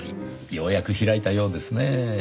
ようやく開いたようですねぇ。